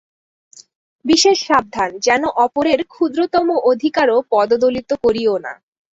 বিশেষ সাবধান, যেন অপরের ক্ষুদ্রতম অধিকারও পদদলিত করিও না।